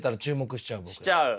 しちゃう？